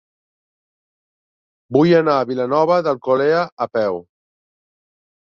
Vull anar a Vilanova d'Alcolea a peu.